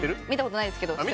見たことない？